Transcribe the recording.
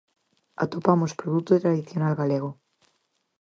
Atopamos produto tradicional galego.